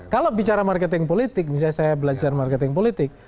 kalau bicara marketing politik misalnya saya belajar marketing politik